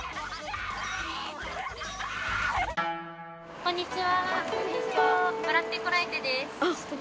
こんにちは。